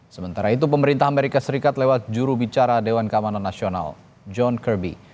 sementara itu pemerintah amerika serikat lewat jurubicara dewan keamanan nasional john kerby